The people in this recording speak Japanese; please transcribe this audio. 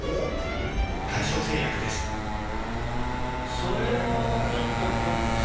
それはちょっとこっち。